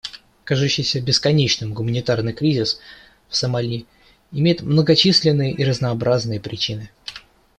Кажущийся бесконечным гуманитарный кризис в Сомали имеет многочисленные и разнообразные причины.